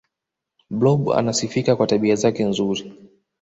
blob anasifika kwa tabia zake nzuri